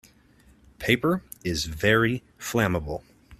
Paper is very flammable.